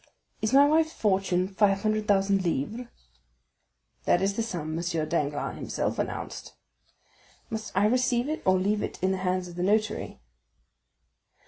"Is my wife's fortune five hundred thousand livres?" "That is the sum M. Danglars himself announced." "Must I receive it, or leave it in the hands of the notary?"